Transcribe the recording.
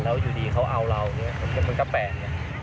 แล้วอยู่ดีเขาเอาเรามันก็แปลกไง